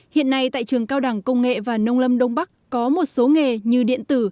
hiện nay tại trường cao đẳng công nghệ và nông lâm đông bắc có một số nghề như điện tử